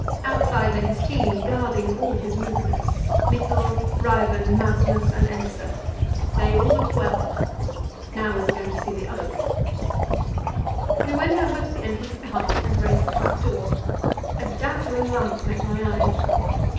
Outside lay his team, guarding all his movements Mikkel, Ræven, Masmas, and Else. They all looked well. Now we were going to see the others. We went over to the entrance of the hut and raised the trap door; a dazzling light met my eyes.